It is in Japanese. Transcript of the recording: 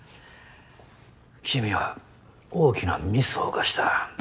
君は大きなミスを犯した。